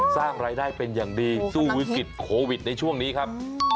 สร้างรายได้เป็นอย่างดีสู้วิกฤตโควิดในช่วงนี้ครับ